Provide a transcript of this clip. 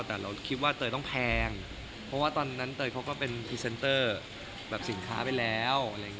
แต่เราคิดว่าเตยต้องแพงเพราะว่าตอนนั้นเตยเขาก็เป็นพรีเซนเตอร์แบบสินค้าไปแล้ว